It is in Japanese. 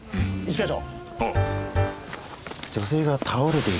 一課長！